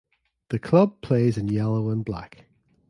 The club plays in yellow and black.